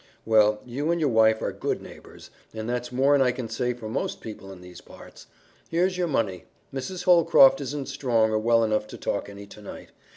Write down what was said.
"Well, you and your wife are good neighbors, and that's more'n I can say for most people in these parts. Here's the money. Mrs. Holcroft isn't strong or well enough to talk any tonight.